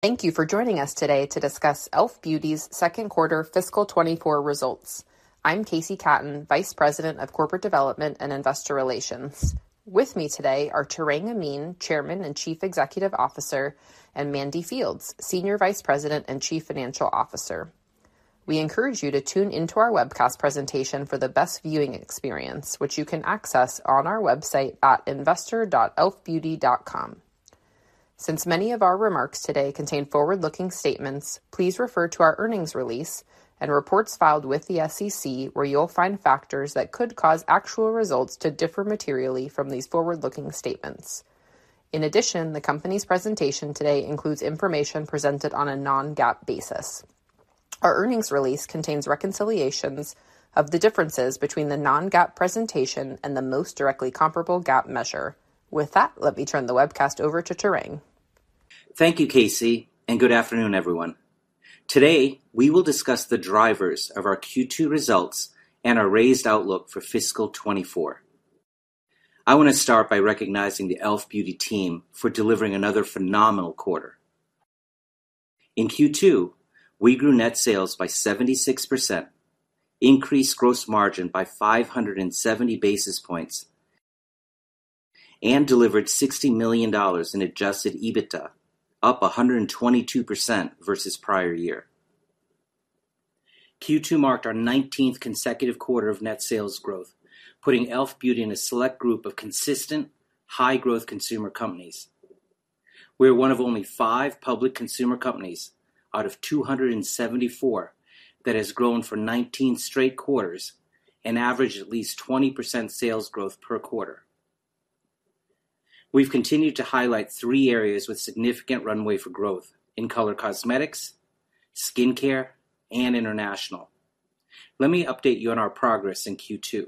Thank you for joining us today to discuss e.l.f. Beauty's Second Quarter Fiscal 2024 Results. I'm KC Katten, Vice President of Corporate Development and Investor Relations. With me today are Tarang Amin, Chairman and Chief Executive Officer, and Mandy Fields, Senior Vice President and Chief Financial Officer. We encourage you to tune into our webcast presentation for the best viewing experience, which you can access on our website at investor.elfbeauty.com. Since many of our remarks today contain forward-looking statements, please refer to our earnings release and reports filed with the SEC, where you'll find factors that could cause actual results to differ materially from these forward-looking statements. In addition, the company's presentation today includes information presented on a non-GAAP basis. Our earnings release contains reconciliations of the differences between the non-GAAP presentation and the most directly comparable GAAP measure. With that, let me turn the webcast over to Tarang. Thank you, KC, and good afternoon, everyone. Today, we will discuss the drivers of our Q2 results and our raised outlook for fiscal 2024. I want to start by recognizing the e.l.f. Beauty team for delivering another phenomenal quarter. In Q2, we grew net sales by 76%, increased gross margin by 570 basis points, and delivered $60 million in Adjusted EBITDA, up 122% versus prior year. Q2 marked our 19th consecutive quarter of net sales growth, putting e.l.f. Beauty in a select group of consistent, high-growth consumer companies. We are one of only five public consumer companies out of 274 that has grown for 19 straight quarters and averaged at least 20% sales growth per quarter. We've continued to highlight three areas with significant runway for growth: in Color Cosmetics, Skincare, and International. Let me update you on our progress in Q2.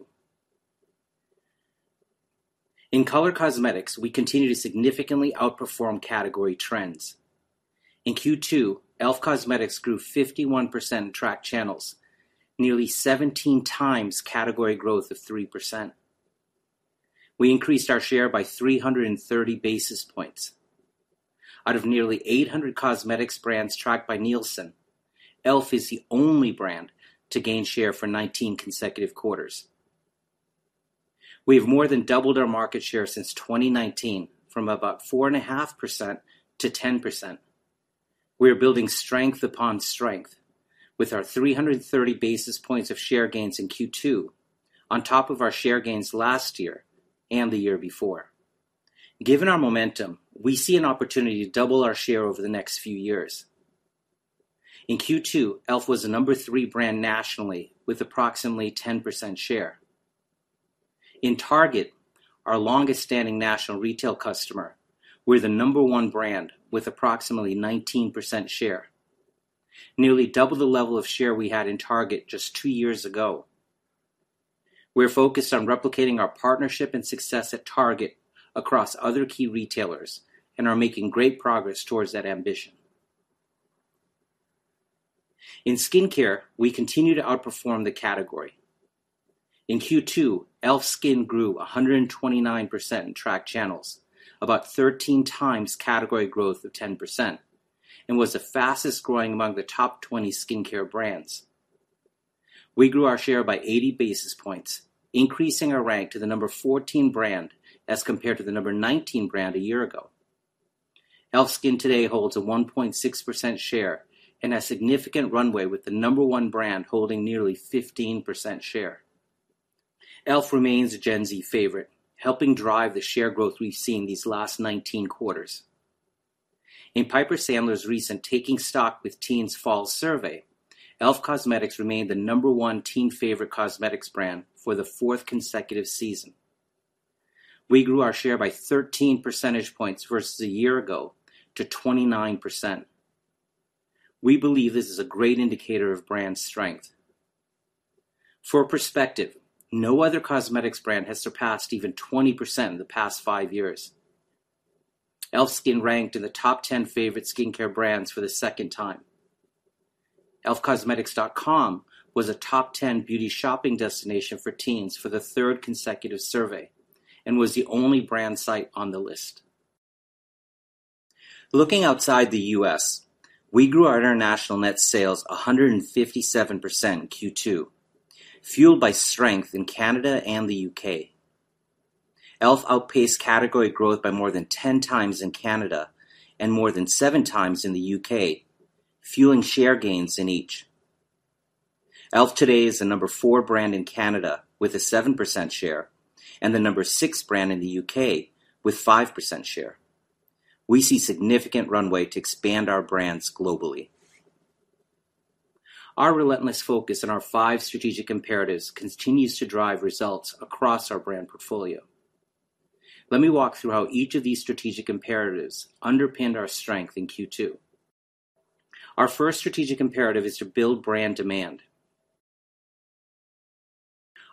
In Color Cosmetics, we continue to significantly outperform category trends. In Q2, e.l.f. Cosmetics grew 51% in tracked channels, nearly 17x category growth of 3%. We increased our share by 330 basis points. Out of nearly 800 cosmetics brands tracked by Nielsen, e.l.f. is the only brand to gain share for 19 consecutive quarters. We have more than doubled our market share since 2019, from about 4.5% to 10%. We are building strength upon strength with our 330 basis points of share gains in Q2 on top of our share gains last year and the year before. Given our momentum, we see an opportunity to double our share over the next few years. In Q2, e.l.f. was the number three brand nationally, with approximately 10% share. In Target, our longest-standing national retail customer, we're the number one brand with approximately 19% share, nearly double the level of share we had in Target just two years ago. We're focused on replicating our partnership and success at Target across other key retailers and are making great progress towards that ambition. In Skincare, we continue to outperform the category. In Q2, e.l.f. SKIN grew 129% in tracked channels, about 13 times category growth of 10%, and was the fastest growing among the top 20 Skincare brands. We grew our share by 80 basis points, increasing our rank to the number 14 brand as compared to the number 19 brand a year ago. e.l.f. SKIN today holds a 1.6% share and a significant runway, with the number one brand holding nearly 15% share. e.l.f. remains a Gen Z favorite, helping drive the share growth we've seen these last 19 quarters. In Piper Sandler's recent Taking Stock with Teens fall survey, e.l.f. Cosmetics remained the number one teen favorite cosmetics brand for the fourth consecutive season. We grew our share by 13 percentage points versus a year ago to 29%. We believe this is a great indicator of brand strength. For perspective, no other cosmetics brand has surpassed even 20% in the past five years. e.l.f. SKIN ranked in the top 10 favorite Skincare brands for the second time. e.l.f.cosmetics.com was a top 10 beauty shopping destination for teens for the third consecutive survey and was the only brand site on the list. Looking outside the U.S., we grew our International net sales 157% in Q2, fueled by strength in Canada and the U.K. e.l.f. outpaced category growth by more than 10x in Canada and more than 7x in the U.K., fueling share gains in each. e.l.f. today is the number four brand in Canada, with a 7% share, and the number six brand in the U.K., with 5% share. We see significant runway to expand our brands globally. Our relentless focus on our five strategic imperatives continues to drive results across our brand portfolio. Let me walk through how each of these strategic imperatives underpinned our strength in Q2. Our first strategic imperative is to build brand demand.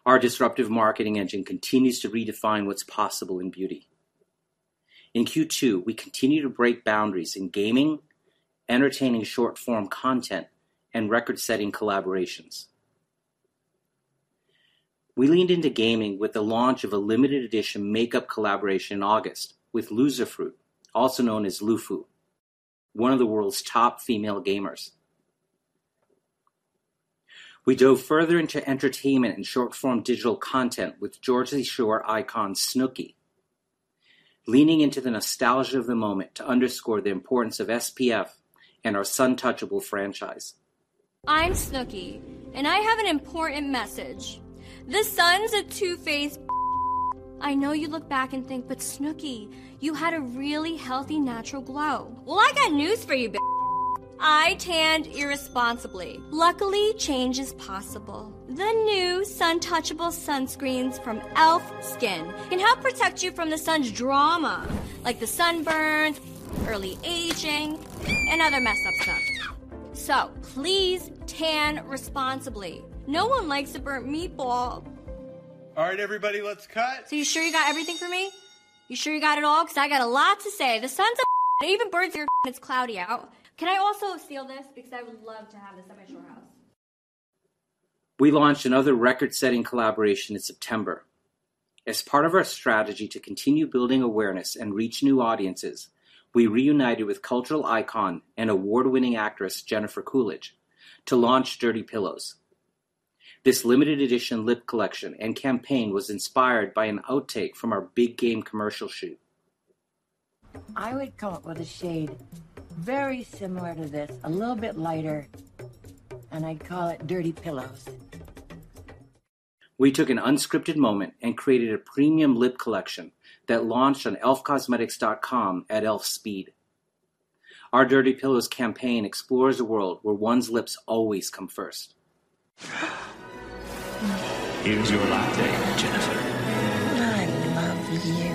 Our disruptive marketing engine continues to redefine what's possible in beauty. In Q2, we continued to break boundaries in gaming, entertaining short-form content, and record-setting collaborations… We leaned into gaming with the launch of a limited edition makeup collaboration in August with Loserfruit, also known as Lufu, one of the world's top female gamers. We dove further into entertainment and short-form digital content with Jersey Shore icon, Snooki, leaning into the nostalgia of the moment to underscore the importance of SPF and our Suntouchable franchise. We launched another record-setting collaboration in September. As part of our strategy to continue building awareness and reach new audiences, we reunited with cultural icon and award-winning actress, Jennifer Coolidge, to launch Dirty Pillows. This limited edition lip collection and campaign was inspired by an outtake from our big game commercial shoot. I would come up with a shade very similar to this, a little bit lighter, and I'd call it Dirty Pillows. We took an unscripted moment and created a premium lip collection that launched on elfcosmetics.com at e.l.f. speed. Our Dirty Pillows campaign explores a world where one's lips always come first. Here's your latte, Jennifer. I love you.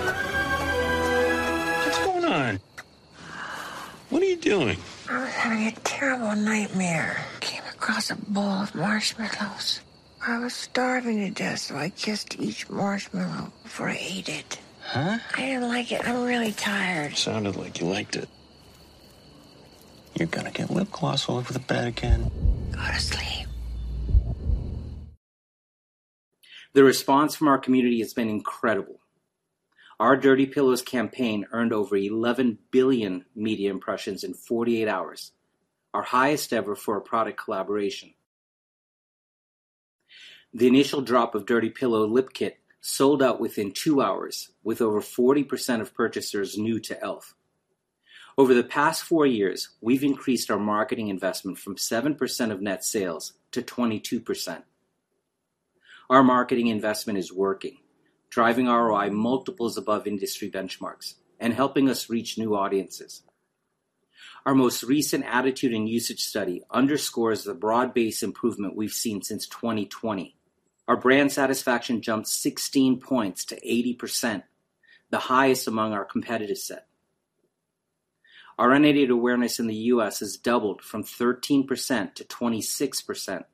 Mm. What's going on? What are you doing? I was having a terrible nightmare, came across a bowl of marshmallows. I was starving to death, so I kissed each marshmallow before I ate it. Huh? I didn't like it. I'm really tired. Sounded like you liked it. You're gonna get lip gloss all over the bed again. Go to sleep. The response from our community has been incredible. Our Dirty Pillows campaign earned over 11 billion media impressions in 48 hours, our highest ever for a product collaboration. The initial drop of Dirty Pillow Lip Kit sold out within two hours, with over 40% of purchasers new to e.l.f. Over the past four years, we've increased our marketing investment from 7% of net sales to 22%. Our marketing investment is working, driving ROI multiples above industry benchmarks and helping us reach new audiences. Our most recent attitude and usage study underscores the broad-based improvement we've seen since 2020. Our brand satisfaction jumped 16 points to 80%, the highest among our competitive set. Our unaided awareness in the U.S. has doubled from 13% to 26%.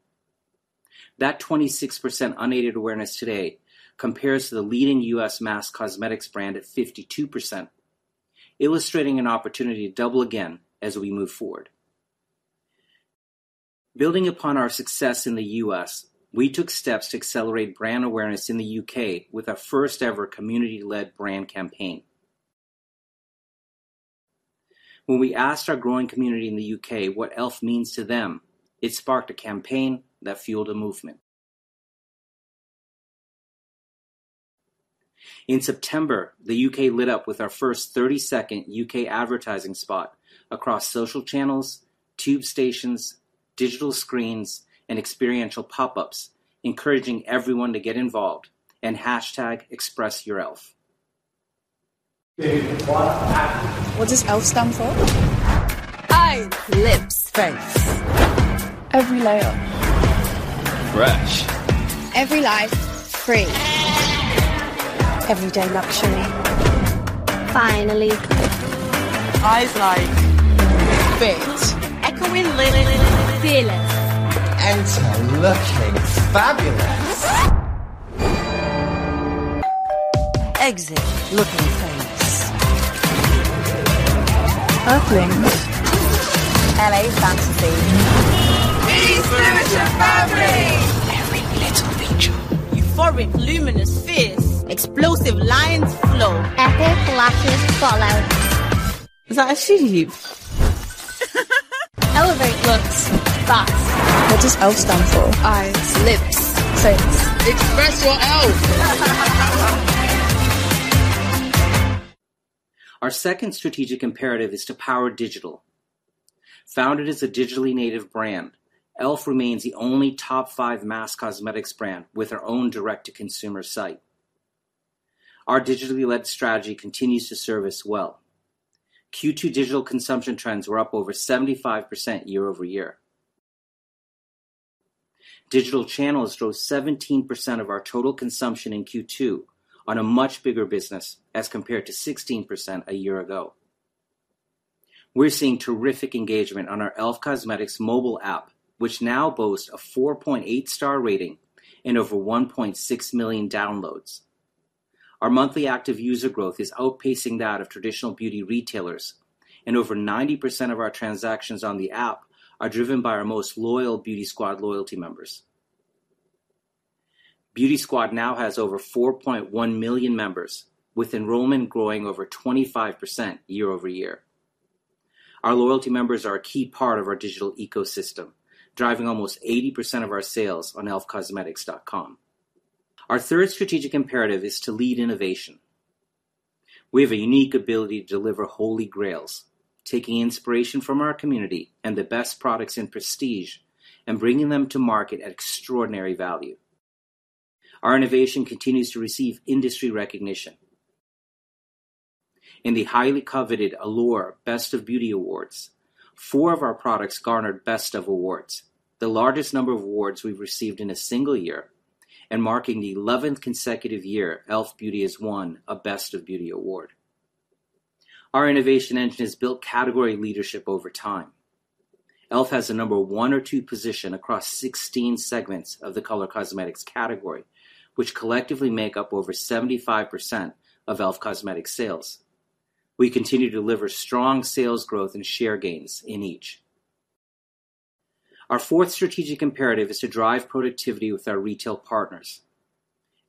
That 26% unaided awareness today compares to the leading U.S. mass cosmetics brand at 52%, illustrating an opportunity to double again as we move forward. Building upon our success in the U.S., we took steps to accelerate brand awareness in the U.K. with our first-ever community-led brand campaign. When we asked our growing community in the U.K. what e.l.f. means to them, it sparked a campaign that fueled a movement. In September, the U.K. lit up with our first 30-second U.K. advertising spot across social channels, tube stations, digital screens, and experiential pop-ups, encouraging everyone to get involved and hashtag express your elf. Okay, quiet. Action! What does e.l.f. stand for? Eyes. Lips. Face. Every layer. Fresh. Every life, free. Everyday luxury. Finally. Eyes like... Fit. Echoing Lily. Feel it. Enter looking fabulous. Exit looking face. Earthlings. LA fantasy. East Lancashire family! Every little feature. Euphoric, luminous fears. Explosive lines flow. Echoed lashes fall out. Is that a sheep? Elevate looks. Fast. What does e.l.f. stand for? Eyes. Lips. Face. Express your elf! Our second strategic imperative is to power digital. Founded as a digitally native brand, e.l.f. remains the only top five mass cosmetics brand with our own direct-to-consumer site. Our digitally-led strategy continues to serve us well. Q2 digital consumption trends were up over 75% year-over-year. Digital channels drove 17% of our total consumption in Q2 on a much bigger business as compared to 16% a year ago. We're seeing terrific engagement on our e.l.f. Cosmetics mobile app, which now boasts a 4.8-star rating and over 1.6 million downloads. Our monthly active user growth is outpacing that of traditional beauty retailers, and over 90% of our transactions on the app are driven by our most loyal Beauty Squad loyalty members. Beauty Squad now has over 4.1 million members, with enrollment growing over 25% year-over-year. Our loyalty members are a key part of our digital ecosystem, driving almost 80% of our sales on e.l.f.cosmetics.com. Our third strategic imperative is to lead innovation. We have a unique ability to deliver holy grails, taking inspiration from our community and the best products in prestige and bringing them to market at extraordinary value. Our innovation continues to receive industry recognition. In the highly coveted Allure Best of Beauty Awards, four of our products garnered Best of Awards, the largest number of awards we've received in a single year, and marking the 11th consecutive year e.l.f. Beauty has won a Best of Beauty Award. Our innovation engine has built category leadership over time. e.l.f. has a number one or two position across 16 segments of the Color Cosmetics category, which collectively make up over 75% of e.l.f. Cosmetics sales. We continue to deliver strong sales growth and share gains in each. Our fourth strategic imperative is to drive productivity with our retail partners.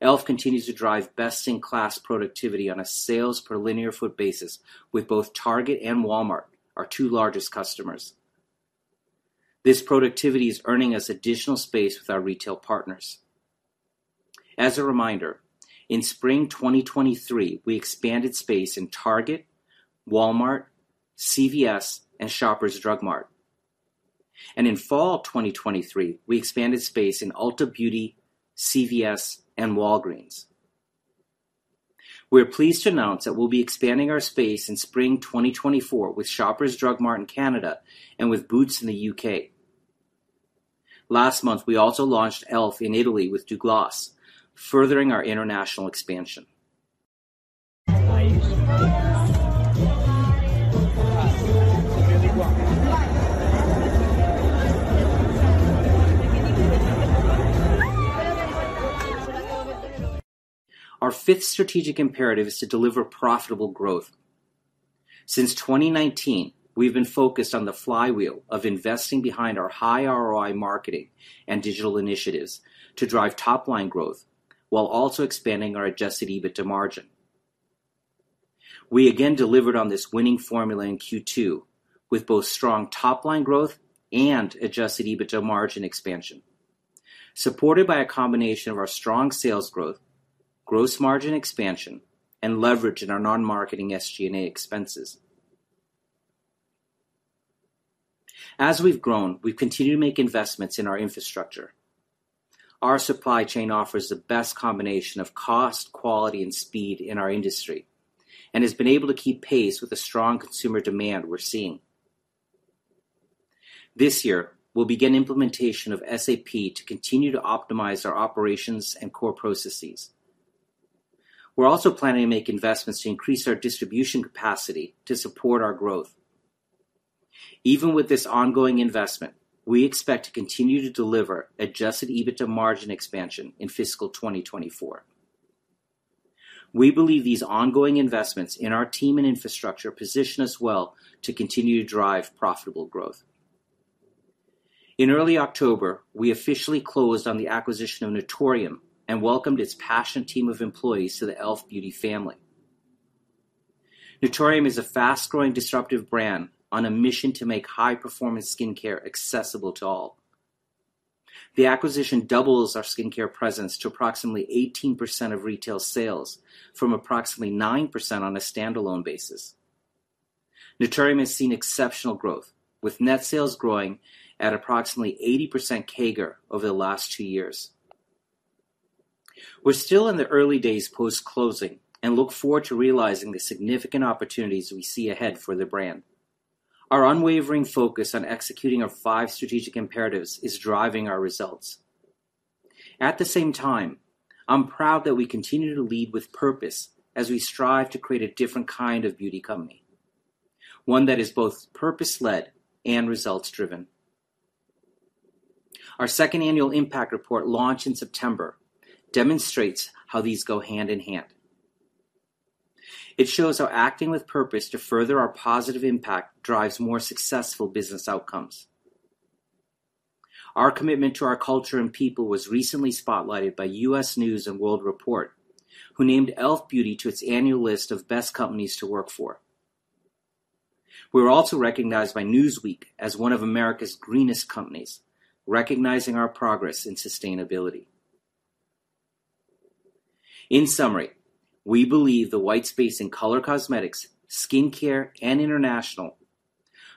e.l.f. continues to drive best-in-class productivity on a sales per linear foot basis with both Target and Walmart, our two largest customers. This productivity is earning us additional space with our retail partners. As a reminder, in spring 2023, we expanded space in Target, Walmart, CVS, and Shoppers Drug Mart, and in fall of 2023, we expanded space in Ulta Beauty, CVS, and Walgreens. We're pleased to announce that we'll be expanding our space in spring 2024 with Shoppers Drug Mart in Canada and with Boots in the U.K. Last month, we also launched e.l.f. in Italy with Douglas, furthering our international expansion. Our fifth strategic imperative is to deliver profitable growth. Since 2019, we've been focused on the flywheel of investing behind our high ROI marketing and digital initiatives to drive top-line growth while also expanding our Adjusted EBITDA margin. We again delivered on this winning formula in Q2, with both strong top-line growth and Adjusted EBITDA margin expansion, supported by a combination of our strong sales growth, gross margin expansion, and leverage in our non-marketing SG&A expenses. As we've grown, we've continued to make investments in our infrastructure. Our supply chain offers the best combination of cost, quality, and speed in our industry and has been able to keep pace with the strong consumer demand we're seeing. This year, we'll begin implementation of SAP to continue to optimize our operations and core processes. We're also planning to make investments to increase our distribution capacity to support our growth. Even with this ongoing investment, we expect to continue to deliver Adjusted EBITDA margin expansion in fiscal 2024. We believe these ongoing investments in our team and infrastructure position us well to continue to drive profitable growth. In early October, we officially closed on the acquisition of Naturium and welcomed its passionate team of employees to the e.l.f. Beauty family. Naturium is a fast-growing, disruptive brand on a mission to make high-performance Skincare accessible to all. The acquisition doubles our Skincare presence to approximately 18% of retail sales from approximately 9% on a standalone basis. Naturium has seen exceptional growth, with net sales growing at approximately 80% CAGR over the last two years. We're still in the early days post-closing and look forward to realizing the significant opportunities we see ahead for the brand. Our unwavering focus on executing our five strategic imperatives is driving our results. At the same time, I'm proud that we continue to lead with purpose as we strive to create a different kind of beauty company, one that is both purpose-led and results-driven. Our second annual impact report, launched in September, demonstrates how these go hand in hand. It shows how acting with purpose to further our positive impact drives more successful business outcomes. Our commitment to our culture and people was recently spotlighted by U.S. News & World Report, who named e.l.f. Beauty to its annual list of Best Companies to Work For. We were also recognized by Newsweek as one of America's greenest companies, recognizing our progress in sustainability. In summary, we believe the white space in Color Cosmetics, Skincare, and International,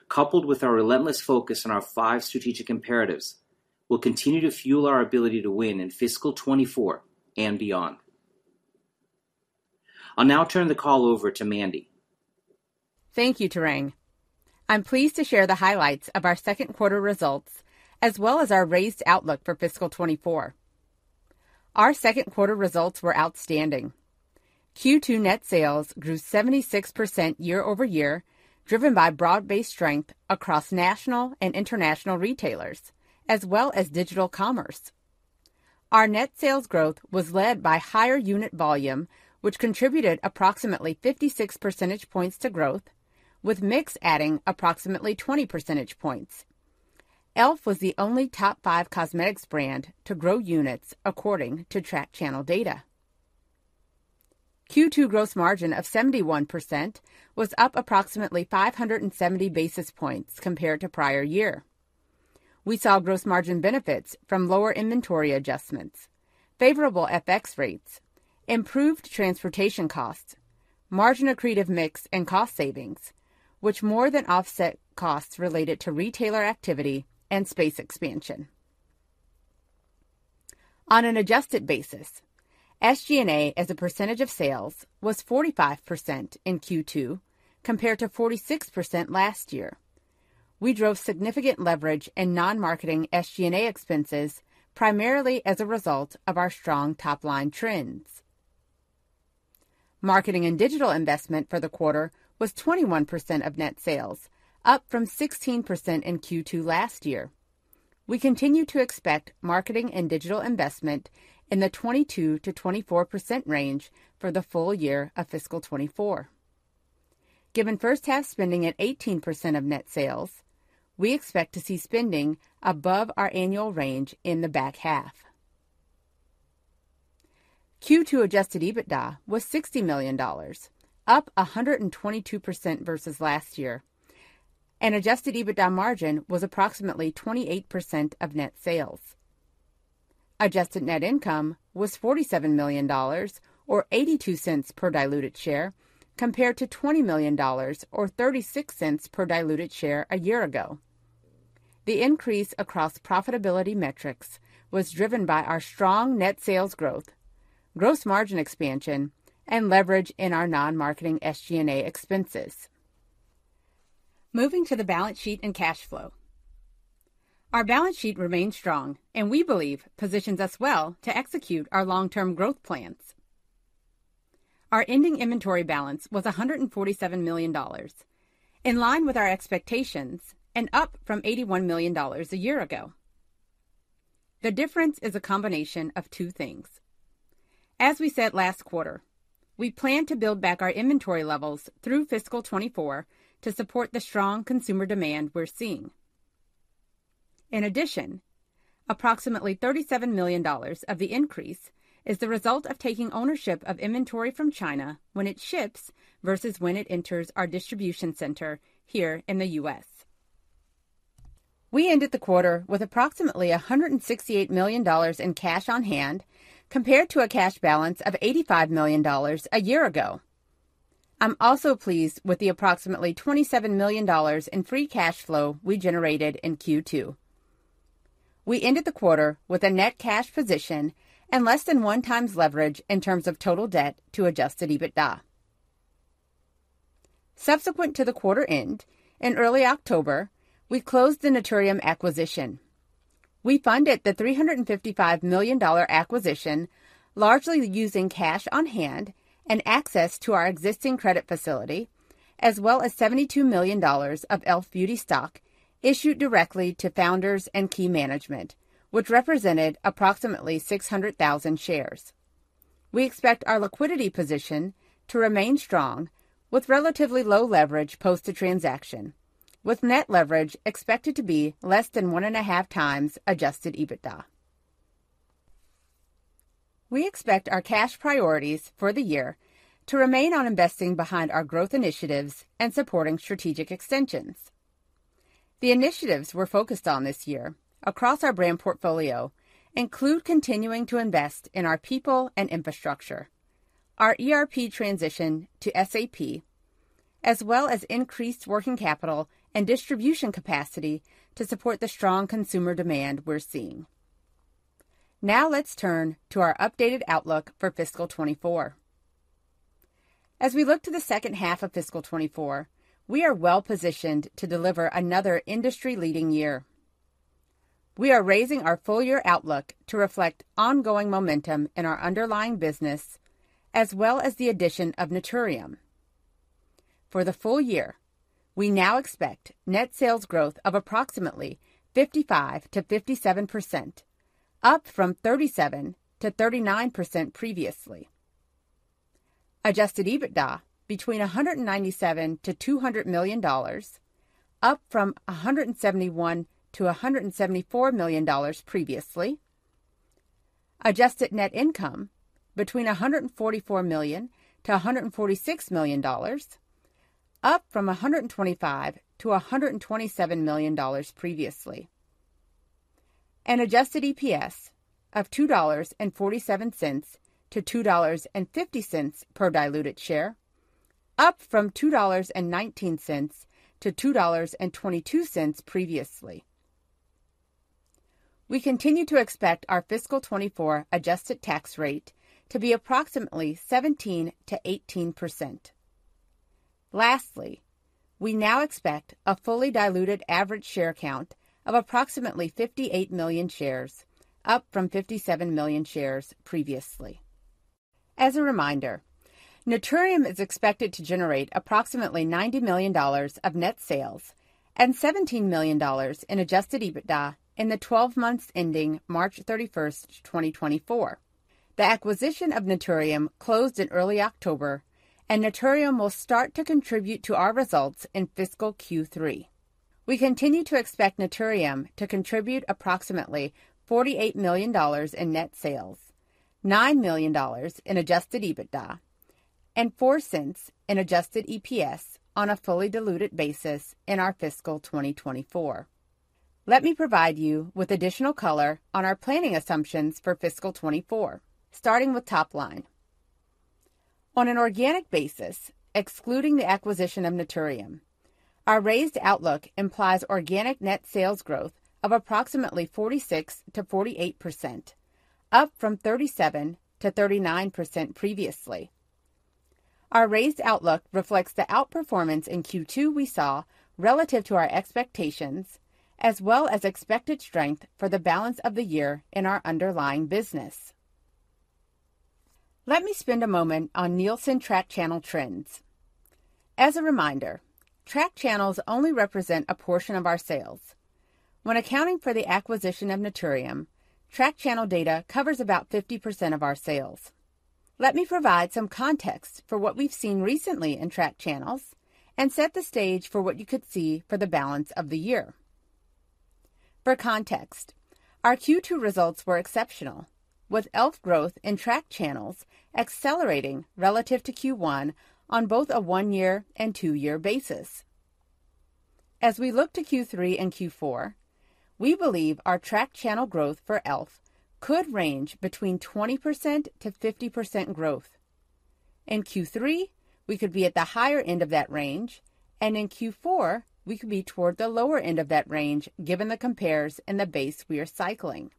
coupled with our relentless focus on our five strategic imperatives, will continue to fuel our ability to win in fiscal 2024 and beyond. I'll now turn the call over to Mandy. Thank you, Tarang. I'm pleased to share the highlights of our second quarter results, as well as our raised outlook for fiscal 2024. Our second quarter results were outstanding. Q2 net sales grew 76% year-over-year, driven by broad-based strength across national and International retailers, as well as digital commerce.... Our net sales growth was led by higher unit volume, which contributed approximately 56 percentage points to growth, with mix adding approximately 20 percentage points. e.l.f. was the only top five cosmetics brand to grow units according to tracked channel data. Q2 gross margin of 71% was up approximately 570 basis points compared to prior year. We saw gross margin benefits from lower inventory adjustments, favorable FX rates, improved transportation costs, margin accretive mix, and cost savings, which more than offset costs related to retailer activity and space expansion. On an adjusted basis, SG&A as a percentage of sales was 45% in Q2, compared to 46% last year. We drove significant leverage in non-marketing SG&A expenses, primarily as a result of our strong top-line trends. Marketing and digital investment for the quarter was 21% of net sales, up from 16% in Q2 last year. We continue to expect marketing and digital investment in the 22%-24% range for the full year of fiscal 2024. Given first half spending at 18% of net sales, we expect to see spending above our annual range in the back half. Q2 Adjusted EBITDA was $60 million, up 122% versus last year, and Adjusted EBITDA margin was approximately 28% of net sales. Adjusted net income was $47 million or $0.82 per diluted share, compared to $20 million or $0.36 per diluted share a year ago. The increase across profitability metrics was driven by our strong net sales growth, gross margin expansion, and leverage in our non-marketing SG&A expenses. Moving to the balance sheet and cash flow. Our balance sheet remains strong and we believe positions us well to execute our long-term growth plans. Our ending inventory balance was $147 million, in line with our expectations and up from $81 million a year ago. The difference is a combination of two things. As we said last quarter, we plan to build back our inventory levels through fiscal 2024 to support the strong consumer demand we're seeing. In addition, approximately $37 million of the increase is the result of taking ownership of inventory from China when it ships, versus when it enters our distribution center here in the U.S. We ended the quarter with approximately $168 million in cash on hand, compared to a cash balance of $85 million a year ago. I'm also pleased with the approximately $27 million in free cash flow we generated in Q2. We ended the quarter with a net cash position and less than one times leverage in terms of total debt to Adjusted EBITDA. Subsequent to the quarter end, in early October, we closed the Naturium acquisition. We funded the $355 million acquisition, largely using cash on hand and access to our existing credit facility, as well as $72 million of e.l.f. Beauty stock issued directly to founders and key management, which represented approximately 600,000 shares. We expect our liquidity position to remain strong, with relatively low leverage post the transaction, with net leverage expected to be less than 1.5x Adjusted EBITDA. We expect our cash priorities for the year to remain on investing behind our growth initiatives and supporting strategic extensions. The initiatives we're focused on this year across our brand portfolio include continuing to invest in our people and infrastructure, our ERP transition to SAP, as well as increased working capital and distribution capacity to support the strong consumer demand we're seeing. Now, let's turn to our updated outlook for fiscal 2024. As we look to the second half of fiscal 2024, we are well-positioned to deliver another industry-leading year. We are raising our full-year outlook to reflect ongoing momentum in our underlying business, as well as the addition of Naturium. For the full year, we now expect net sales growth of approximately 55%-57%, up from 37%-39% previously. Adjusted EBITDA between $197 million-$200 million, up from $171 million-$174 million previously. Adjusted net income between $144 million-$146 million, up from $125 million-$127 million previously. An adjusted EPS of $2.47-$2.50 per diluted share, up from $2.19-$2.22 previously. We continue to expect our fiscal 2024 adjusted tax rate to be approximately 17%-18%. Lastly, we now expect a fully diluted average share count of approximately 58 million shares, up from 57 million shares previously. As a reminder, Naturium is expected to generate approximately $90 million of net sales and $17 million in Adjusted EBITDA in the twelve months ending March 31, 2024. The acquisition of Naturium closed in early October, and Naturium will start to contribute to our results in fiscal Q3. We continue to expect Naturium to contribute approximately $48 million in net sales, $9 million in Adjusted EBITDA, and $0.04 in adjusted EPS on a fully diluted basis in our fiscal 2024. Let me provide you with additional color on our planning assumptions for fiscal 2024, starting with top line. On an organic basis, excluding the acquisition of Naturium, our raised outlook implies organic net sales growth of approximately 46%-48%, up from 37%-39% previously. Our raised outlook reflects the outperformance in Q2 we saw relative to our expectations, as well as expected strength for the balance of the year in our underlying business. Let me spend a moment on Nielsen track channel trends. As a reminder, tracked channels only represent a portion of our sales. When accounting for the acquisition of Naturium, track channel data covers about 50% of our sales. Let me provide some context for what we've seen recently in tracked channels and set the stage for what you could see for the balance of the year. For context, our Q2 results were exceptional, with e.l.f. growth in track channels accelerating relative to Q1 on both a one-year and two-year basis. As we look to Q3 and Q4, we believe our track channel growth for e.l.f. could range between 20% to 50% growth. In Q3, we could be at the higher end of that range, and in Q4, we could be toward the lower end of that range, given the compares and the base we are cycling.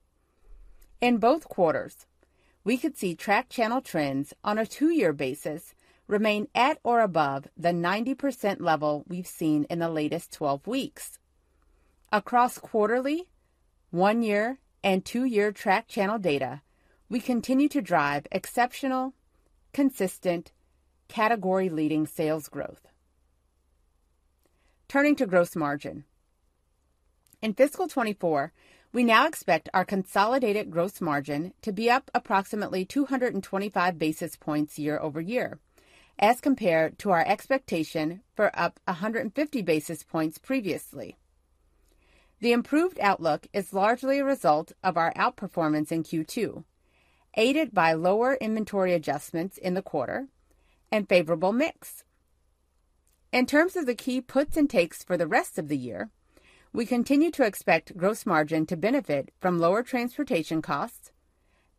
In both quarters, we could see track channel trends on a two-year basis remain at or above the 90% level we've seen in the latest 12 weeks. Across quarterly, one-year and two-year track channel data, we continue to drive exceptional, consistent, category-leading sales growth. Turning to gross margin. In fiscal 2024, we now expect our consolidated gross margin to be up approximately 225 basis points year-over-year, as compared to our expectation for up 150 basis points previously. The improved outlook is largely a result of our outperformance in Q2, aided by lower inventory adjustments in the quarter and favorable mix. In terms of the key puts and takes for the rest of the year, we continue to expect gross margin to benefit from lower transportation costs,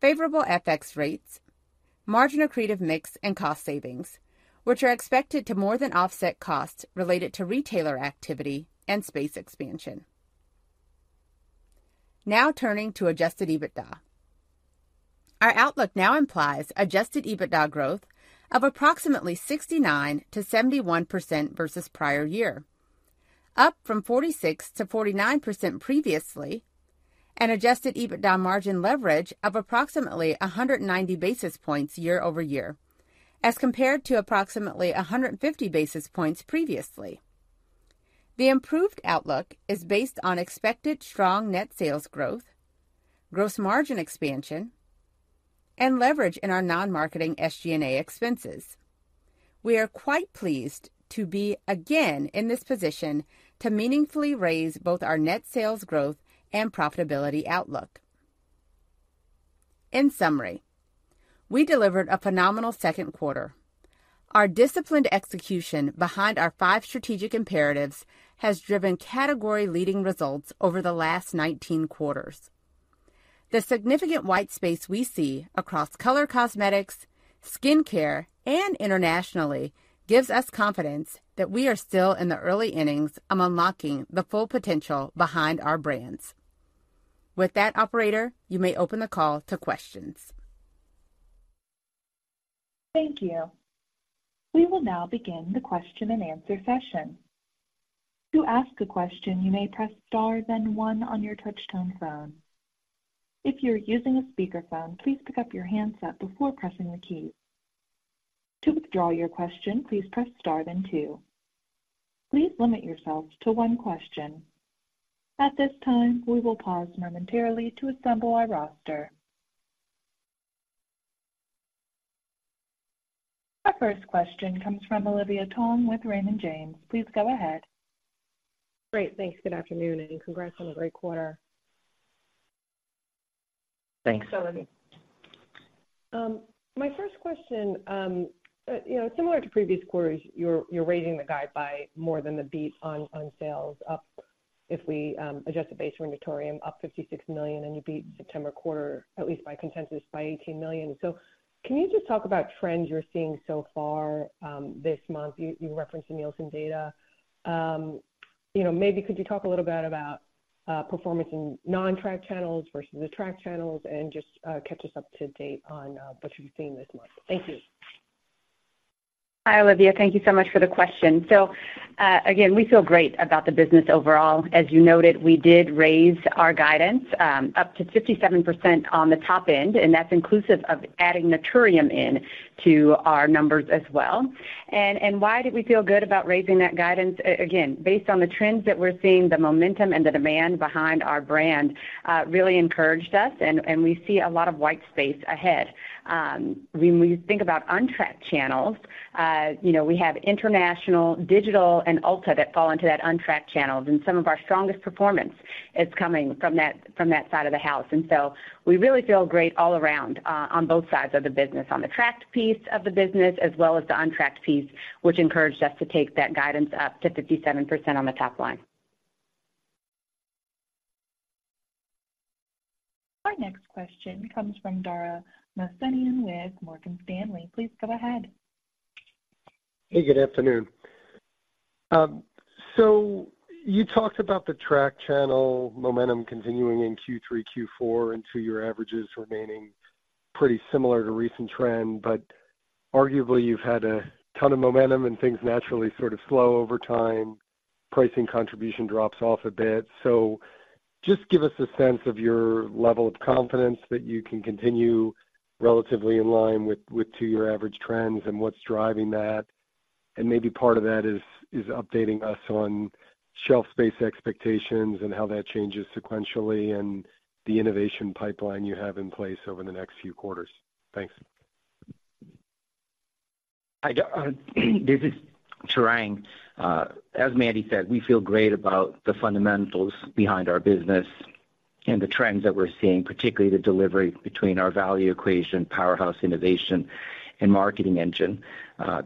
favorable FX rates, margin accretive mix, and cost savings, which are expected to more than offset costs related to retailer activity and space expansion. Now, turning to Adjusted EBITDA. Our outlook now implies Adjusted EBITDA growth of approximately 69%-71% versus prior year, up from 46%-49% previously, and Adjusted EBITDA margin leverage of approximately 190 basis points year over year, as compared to approximately 150 basis points previously. The improved outlook is based on expected strong net sales growth, gross margin expansion, and leverage in our non-marketing SG&A expenses. We are quite pleased to be again in this position to meaningfully raise both our net sales growth and profitability outlook. In summary, we delivered a phenomenal second quarter. Our disciplined execution behind our five strategic imperatives has driven category-leading results over the last 19 quarters. The significant white space we see across Color Cosmetics, Skincare, and International gives us confidence that we are still in the early innings of unlocking the full potential behind our brands. With that, operator, you may open the call to questions. Thank you. We will now begin the question-and-answer session. To ask a question, you may press star, then one on your touchtone phone. If you're using a speakerphone, please pick up your handset before pressing the key. To withdraw your question, please press star then two. Please limit yourselves to one question. At this time, we will pause momentarily to assemble our roster. Our first question comes from Olivia Tong with Raymond James. Please go ahead. Great. Thanks. Good afternoon, and congrats on a great quarter. Thanks, Olivia. My first question, you know, similar to previous quarters, you're raising the guide by more than the beat on sales, up if we adjust the base for Naturium, up $56 million, and you beat September quarter, at least by consensus, by $18 million. So can you just talk about trends you're seeing so far this month? You referenced the Nielsen data. You know, maybe could you talk a little bit about performance in non-track channels versus the track channels and just catch us up to date on what you're seeing this month? Thank you. Hi, Olivia. Thank you so much for the question. So, again, we feel great about the business overall. As you noted, we did raise our guidance, up to 57% on the top end, and that's inclusive of adding Naturium in to our numbers as well. And why did we feel good about raising that guidance? Again, based on the trends that we're seeing, the momentum and the demand behind our brand, really encouraged us, and we see a lot of white space ahead. When we think about untracked channels, you know, we have International, Digital, and Ulta that fall into that untracked channels, and some of our strongest performance is coming from that, from that side of the house. And so we really feel great all around, on both sides of the business, on the tracked piece of the business as well as the untracked piece, which encouraged us to take that guidance up to 57% on the top line. Our next question comes from Dara Mohsenian with Morgan Stanley. Please go ahead. Hey, good afternoon. So you talked about the track channel momentum continuing in Q3, Q4, and two-year averages remaining pretty similar to recent trend. But arguably, you've had a ton of momentum and things naturally sort of slow over time, pricing contribution drops off a bit. So just give us a sense of your level of confidence that you can continue relatively in line with two-year average trends and what's driving that. And maybe part of that is updating us on shelf space expectations and how that changes sequentially and the innovation pipeline you have in place over the next few quarters. Thanks. Hi, this is Tarang. As Mandy said, we feel great about the fundamentals behind our business and the trends that we're seeing, particularly the delivery between our value equation, powerhouse, innovation, and marketing engine.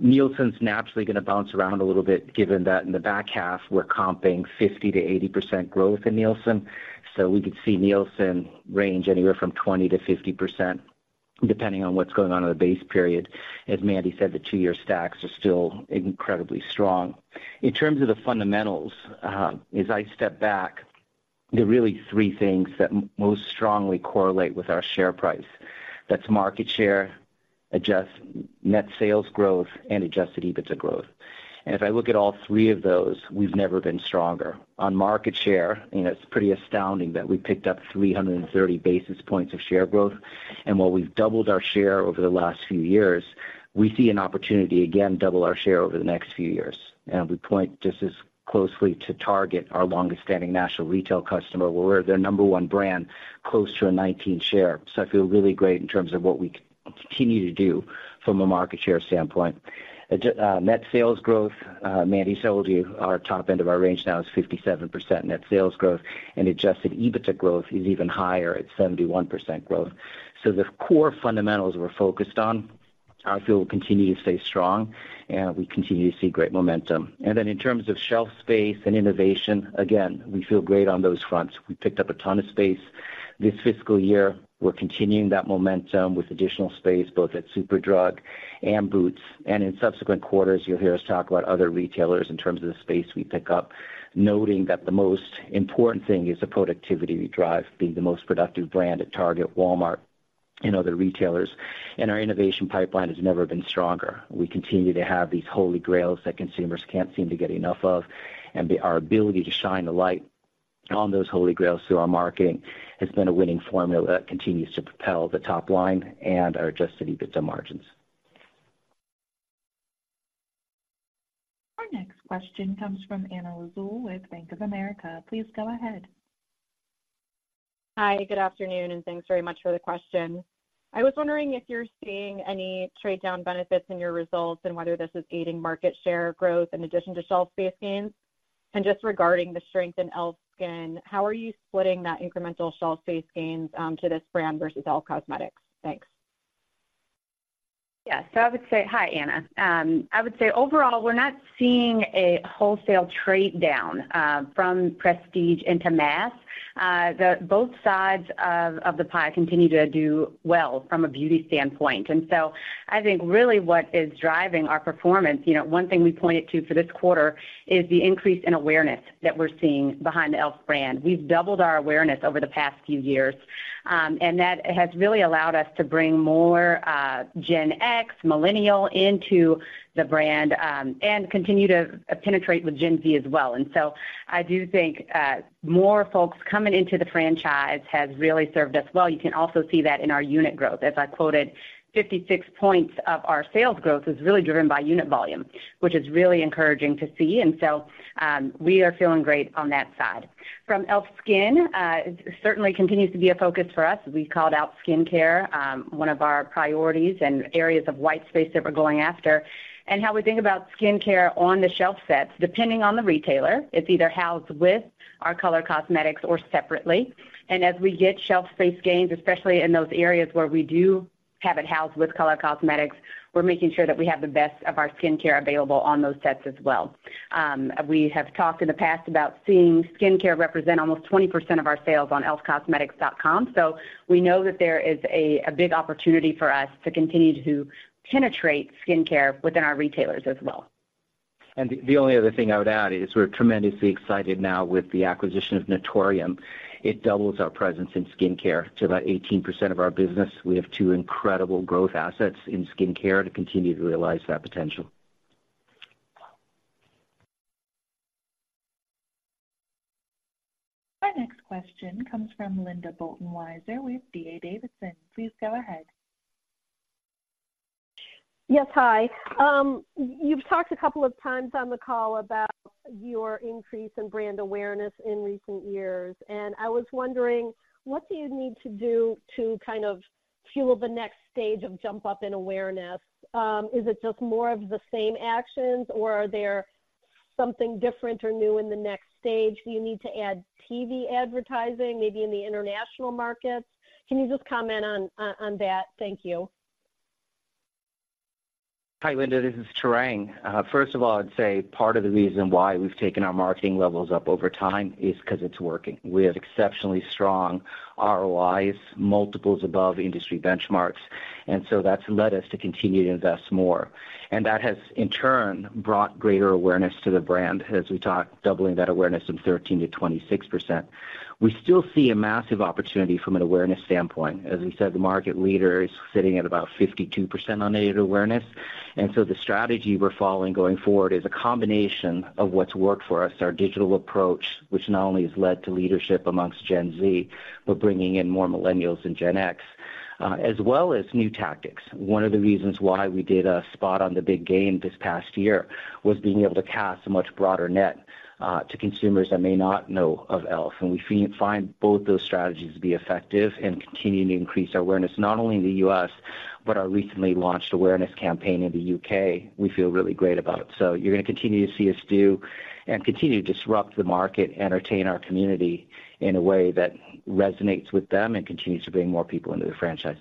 Nielsen's naturally gonna bounce around a little bit, given that in the back half, we're comping 50%-80% growth in Nielsen. So we could see Nielsen range anywhere from 20%-50%, depending on what's going on in the base period. As Mandy said, the two-year stacks are still incredibly strong. In terms of the fundamentals, as I step back, there are really three things that most strongly correlate with our share price. That's market share, adjusted net sales growth, and Adjusted EBITDA growth. And if I look at all three of those, we've never been stronger. On market share, you know, it's pretty astounding that we picked up 330 basis points of share growth, and while we've doubled our share over the last few years, we see an opportunity again, double our share over the next few years. And we point just as closely to Target, our longest-standing national retail customer, where we're their number one brand, close to a 19% share. So I feel really great in terms of what we continue to do from a market share standpoint. Adjusted net sales growth, Mandy told you our top end of our range now is 57% net sales growth, and Adjusted EBITDA growth is even higher at 71% growth. So the core fundamentals we're focused on, I feel, will continue to stay strong, and we continue to see great momentum. Then in terms of shelf space and innovation, again, we feel great on those fronts. We picked up a ton of space this fiscal year. We're continuing that momentum with additional space, both at Superdrug and Boots, and in subsequent quarters, you'll hear us talk about other retailers in terms of the space we pick up, noting that the most important thing is the productivity we drive, being the most productive brand at Target, Walmart, and other retailers. Our innovation pipeline has never been stronger. We continue to have these holy grails that consumers can't seem to get enough of, and our ability to shine a light on those holy grails through our marketing has been a winning formula that continues to propel the top line and our Adjusted EBITDA margins. Our next question comes from Anna Lizzul with Bank of America. Please go ahead. Hi, good afternoon, and thanks very much for the question. I was wondering if you're seeing any trade down benefits in your results and whether this is aiding market share growth in addition to shelf space gains? Just regarding the strength in e.l.f. SKIN, how are you splitting that incremental shelf space gains to this brand versus e.l.f. Cosmetics? Thanks. Yeah. So I would say... Hi, Anna. I would say overall, we're not seeing a wholesale trade down, from prestige into mass. Both sides of the pie continue to do well from a beauty standpoint. And so I think really what is driving our performance, you know, one thing we pointed to for this quarter is the increase in awareness that we're seeing behind the e.l.f. brand. We've doubled our awareness over the past few years, and that has really allowed us to bring more, Gen X, millennial into the brand, and continue to, penetrate with Gen Z as well. And so I do think, more folks coming into the franchise has really served us well. You can also see that in our unit growth. As I quoted, 56 points of our sales growth is really driven by unit volume, which is really encouraging to see, and so, we are feeling great on that side. From e.l.f. SKIN, certainly continues to be a focus for us. We called out Skincare, one of our priorities and areas of white space that we're going after. And how we think about Skincare on the shelf sets, depending on the retailer, it's either housed with our Color Cosmetics or separately. And as we get shelf space gains, especially in those areas where we do have it housed with Color Cosmetics, we're making sure that we have the best of our Skincare available on those sets as well. We have talked in the past about seeing Skincare represent almost 20% of our sales on e.l.f.cosmetics.com, so we know that there is a big opportunity for us to continue to penetrate Skincare within our retailers as well. And the only other thing I would add is we're tremendously excited now with the acquisition of Naturium. It doubles our presence in Skincare to about 18% of our business. We have two incredible growth assets in Skincare to continue to realize that potential. Our next question comes from Linda Bolton Weiser with DA Davidson. Please go ahead. Yes, hi. You've talked a couple of times on the call about your increase in brand awareness in recent years, and I was wondering, what do you need to do to kind of fuel the next stage of jump up in awareness? Is it just more of the same actions, or are there something different or new in the next stage? Do you need to add TV advertising, maybe in the International markets? Can you just comment on, on that? Thank you. Hi, Linda, this is Tarang. First of all, I'd say part of the reason why we've taken our marketing levels up over time is because it's working. We have exceptionally strong ROIs, multiples above industry benchmarks, and so that's led us to continue to invest more. And that has, in turn, brought greater awareness to the brand. As we talked, doubling that awareness from 13%-26%. We still see a massive opportunity from an awareness standpoint. As we said, the market leader is sitting at about 52% on aided awareness, and so the strategy we're following going forward is a combination of what's worked for us, our digital approach, which not only has led to leadership amongst Gen Z, but bringing in more millennials in Gen X, as well as new tactics. One of the reasons why we did a spot on the big game this past year was being able to cast a much broader net to consumers that may not know of e.l.f. And we find both those strategies to be effective and continuing to increase our awareness, not only in the U.S., but our recently launched awareness campaign in the U.K., we feel really great about it. So you're going to continue to see us do and continue to disrupt the market, entertain our community in a way that resonates with them and continues to bring more people into the franchise.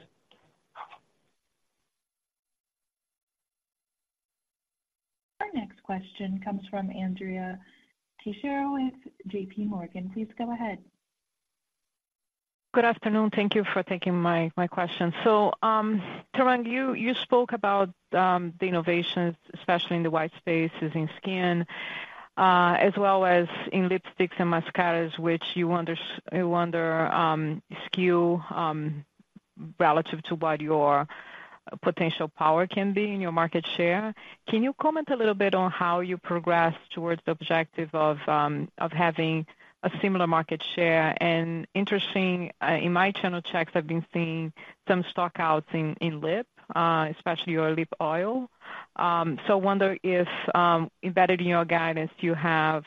Our next question comes from Andrea Teixeira with JPMorgan. Please go ahead. Good afternoon. Thank you for taking my question. So, Tarang, you spoke about the innovations, especially in the white spaces in skin, as well as in lipsticks and mascaras, which you wonder, you wonder, SKU, relative to what your potential power can be in your market share. Can you comment a little bit on how you progress towards the objective of having a similar market share? And interesting, in my channel checks, I've been seeing some stock outs in lip, especially your lip oil. So I wonder if embedded in your guidance, do you have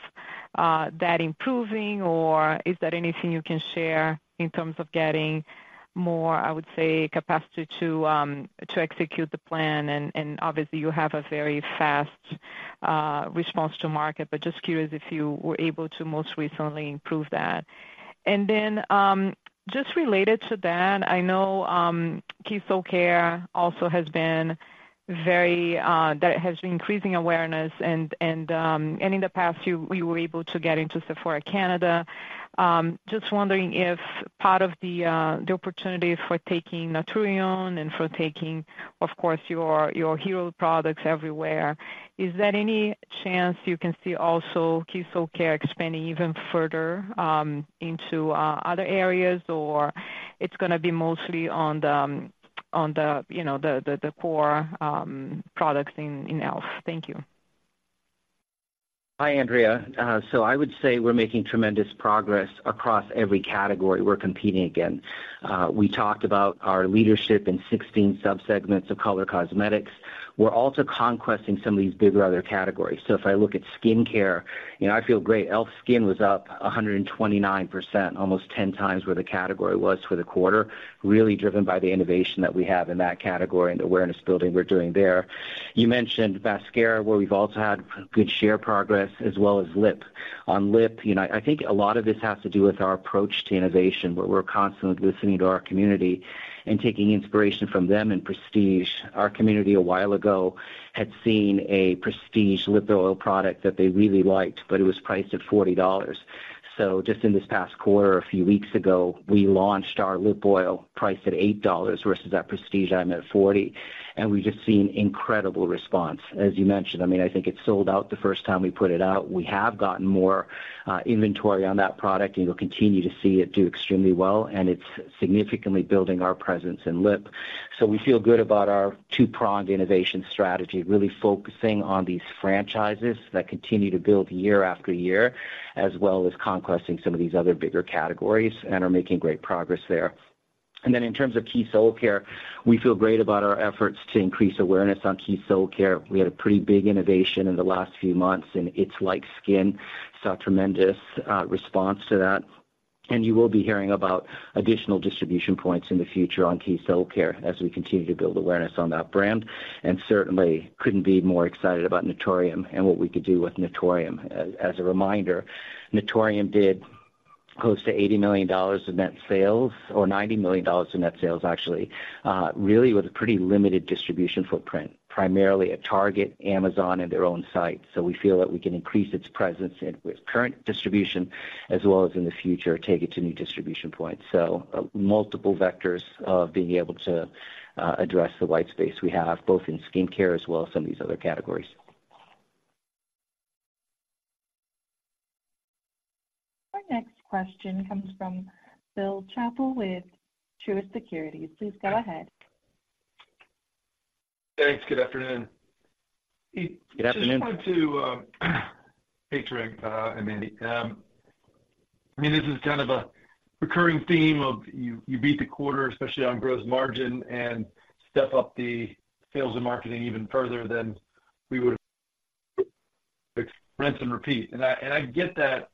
that improving, or is there anything you can share in terms of getting more, I would say, capacity to execute the plan? Obviously you have a very fast response to market, but just curious if you were able to most recently improve that. And then, just related to that, I know, Keys Soulcare also has been very that it has increasing awareness and in the past, you—we were able to get into Sephora Canada. Just wondering if part of the opportunity for taking Naturium and for taking, of course, your hero products everywhere, is there any chance you can see also Keys Soulcare expanding even further into other areas, or it's going to be mostly on the, you know, the core products in e.l.f.? Thank you. Hi, Andrea. So I would say we're making tremendous progress across every category we're competing against. We talked about our leadership in 16 subsegments of Color Cosmetics. We're also conquesting some of these bigger other categories. So if I look at Skincare, you know, I feel great. e.l.f. SKIN was up 129%, almost 10x where the category was for the quarter, really driven by the innovation that we have in that category and the awareness building we're doing there. You mentioned mascara, where we've also had good share progress as well as lip. On lip, you know, I think a lot of this has to do with our approach to innovation, where we're constantly listening to our community and taking inspiration from them in prestige. Our community, a while ago, had seen a prestige lip oil product that they really liked, but it was priced at $40. So just in this past quarter, a few weeks ago, we launched our lip oil priced at $8 versus that prestige item at $40, and we've just seen incredible response. As you mentioned, I mean, I think it sold out the first time we put it out. We have gotten more inventory on that product, and you'll continue to see it do extremely well, and it's significantly building our presence in lip. So we feel good about our two-pronged innovation strategy, really focusing on these franchises that continue to build year after year, as well as conquesting some of these other bigger categories and are making great progress there. Then in terms of Keys Soulcare, we feel great about our efforts to increase awareness on Keys Soulcare. We had a pretty big innovation in the last few months, and it's Skincare, saw tremendous response to that. You will be hearing about additional distribution points in the future on Keys Soulcare as we continue to build awareness on that brand. Certainly couldn't be more excited about Naturium and what we could do with Naturium. As a reminder, Naturium did close to $80 million in net sales, or $90 million in net sales, actually, really with a pretty limited distribution footprint, primarily at Target, Amazon, and their own site. So we feel that we can increase its presence with current distribution as well as in the future, take it to new distribution points. Multiple vectors of being able to address the white space we have, both in Skincare as well as some of these other categories. Our next question comes from Bill Chappell with Truist Securities. Please go ahead. Thanks. Good afternoon. Good afternoon. Just wanted to hey, Tarang, and Mandy. I mean, this is kind of a recurring theme of you, you beat the quarter, especially on gross margin, and step up the sales and marketing even further than we would rinse and repeat. And I get that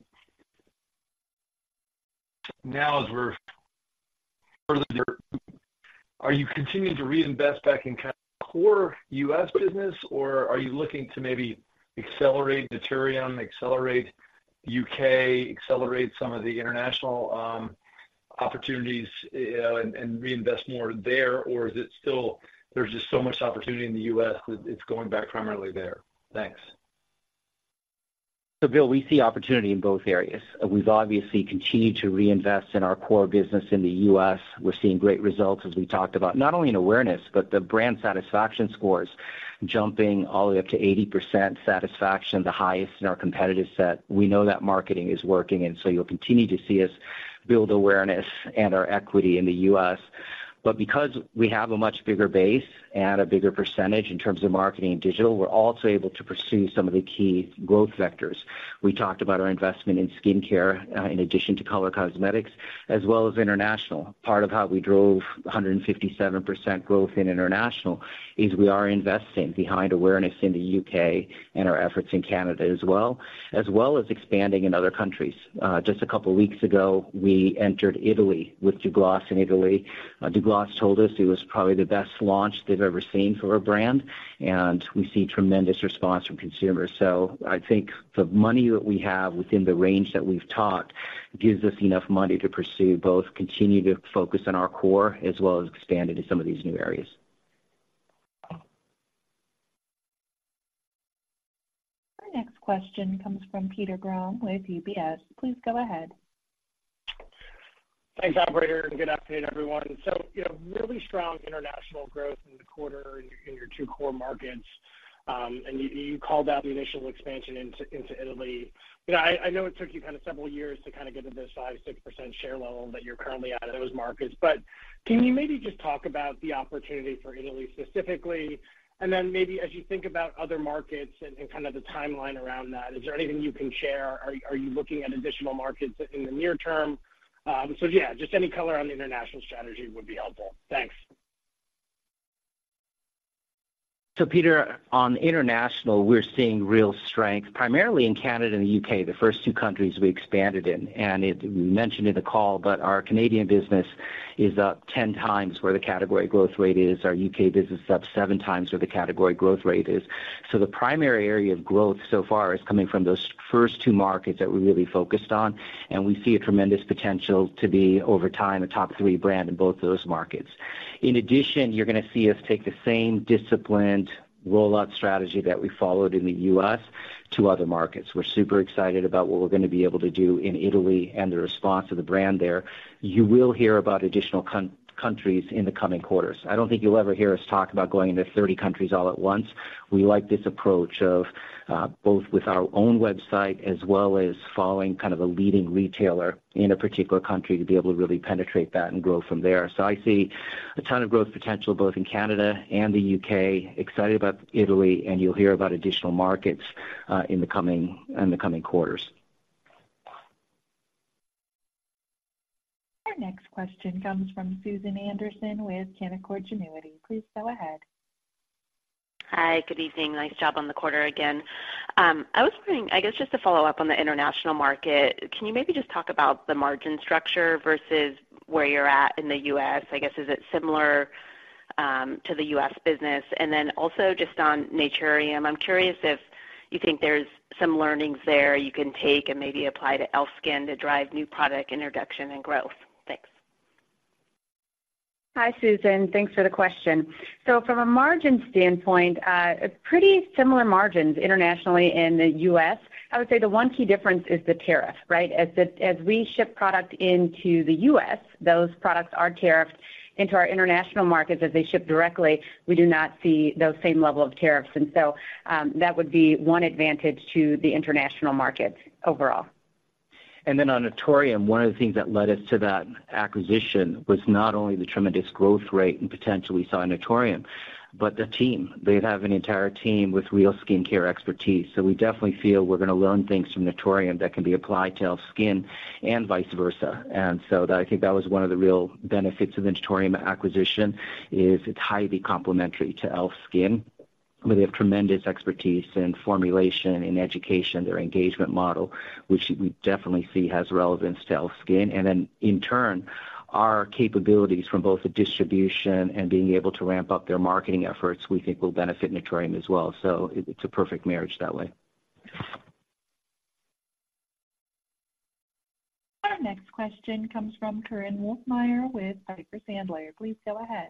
now, as we're further, are you continuing to reinvest back in kind of core U.S. business, or are you looking to maybe accelerate Naturium, accelerate U.K., accelerate some of the International opportunities, and reinvest more there? Or is it still, there's just so much opportunity in the U.S. that it's going back primarily there? Thanks. So Bill, we see opportunity in both areas. We've obviously continued to reinvest in our core business in the U.S. We're seeing great results, as we talked about, not only in awareness, but the brand satisfaction score is jumping all the way up to 80% satisfaction, the highest in our competitive set. We know that marketing is working, and so you'll continue to see us build awareness and our equity in the U.S. But because we have a much bigger base and a bigger percentage in terms of marketing and digital, we're also able to pursue some of the key growth vectors. We talked about our investment in Skincare, in addition to Color Cosmetics, as well as International. Part of how we drove 157% growth in International is we are investing behind awareness in the U.K. and our efforts in Canada as well, as well as expanding in other countries. Just a couple of weeks ago, we entered Italy with Douglas in Italy. Douglas told us it was probably the best launch they've ever seen for a brand, and we see tremendous response from consumers. So I think the money that we have within the range that we've talked, gives us enough money to pursue both, continue to focus on our core, as well as expand into some of these new areas. Our next question comes from Peter Grom with UBS. Please go ahead. Thanks, operator, and good afternoon, everyone. So, you know, really strong International growth in the quarter in your two core markets. And you called out the initial expansion into Italy. You know, I know it took you kind of several years to kind of get to this 5%-6% share level that you're currently at in those markets, but can you maybe just talk about the opportunity for Italy specifically? And then maybe as you think about other markets and kind of the timeline around that, is there anything you can share? Are you looking at additional markets in the near term? So yeah, just any color on the International strategy would be helpful. Thanks. So Peter, on International, we're seeing real strength, primarily in Canada and the U.K., the first two countries we expanded in. And we mentioned in the call, but our Canadian business is up 10 times where the category growth rate is. Our U.K. business is up 7x where the category growth rate is. So the primary area of growth so far is coming from those first two markets that we really focused on, and we see a tremendous potential to be, over time, a top three brand in both of those markets. In addition, you're going to see us take the same disciplined rollout strategy that we followed in the U.S. to other markets. We're super excited about what we're going to be able to do in Italy and the response of the brand there. You will hear about additional countries in the coming quarters. I don't think you'll ever hear us talk about going into 30 countries all at once. We like this approach of both with our own website as well as following kind of a leading retailer in a particular country to be able to really penetrate that and grow from there. So I see a ton of growth potential both in Canada and the U.K., excited about Italy, and you'll hear about additional markets in the coming quarters. Our next question comes from Susan Anderson with Canaccord Genuity. Please go ahead. Hi, good evening. Nice job on the quarter again. I was wondering, I guess, just to follow up on the International market, can you maybe just talk about the margin structure versus where you're at in the U.S.? I guess, is it similar, to the U.S. business? And then also just on Naturium, I'm curious if you think there's some learnings there you can take and maybe apply to e.l.f. SKIN to drive new product introduction and growth. Thanks. Hi, Susan. Thanks for the question. So from a margin standpoint, pretty similar margins internationally in the US. I would say the one key difference is the tariff, right? As we ship product into the US, those products are tariffed into our International markets. As they ship directly, we do not see those same level of tariffs, and so, that would be one advantage to the International markets overall. And then on Naturium, one of the things that led us to that acquisition was not only the tremendous growth rate and potential we saw in Naturium, but the team. They have an entire team with real Skincare expertise, so we definitely feel we're going to learn things from Naturium that can be applied to e.l.f. SKIN and vice versa. And so I think that was one of the real benefits of the Naturium acquisition, is it's highly complementary to e.l.f. SKIN, where they have tremendous expertise in formulation and education, their engagement model, which we definitely see has relevance to e.l.f. SKIN. And then, in turn, our capabilities from both the distribution and being able to ramp up their marketing efforts, we think will benefit Naturium as well. So it, it's a perfect marriage that way. Our next question comes from Korinne Wolfmeyer with Piper Sandler. Please go ahead.